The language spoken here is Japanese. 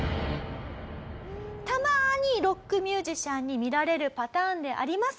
たまにロックミュージシャンに見られるパターンであります